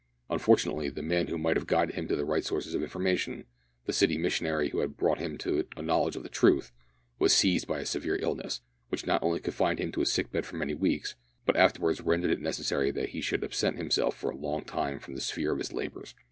Unfortunately the man who might have guided him to the right sources of information the City missionary who had brought him to a knowledge of the truth was seized with a severe illness, which not only confined him to a sick bed for many weeks, but afterwards rendered it necessary that he should absent himself for a long time from the sphere of his labours.